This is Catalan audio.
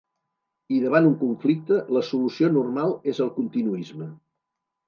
I davant un conflicte, la solució ‘normal’ és el continuisme’.